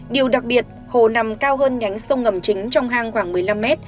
điều đặc biệt hồ nằm cao hơn nhánh sông ngầm chính trong hang khoảng một mươi năm mét